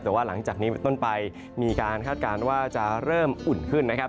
แต่ว่าหลังจากนี้เป็นต้นไปมีการคาดการณ์ว่าจะเริ่มอุ่นขึ้นนะครับ